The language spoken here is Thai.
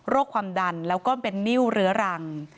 โรคความดันแล้วก็เป็นนิ่วเหลือรัง